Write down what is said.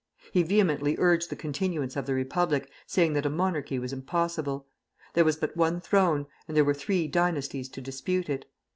He vehemently urged the continuance of the Republic, saying that a monarchy was impossible. There was but one throne, and there were three dynasties to dispute it.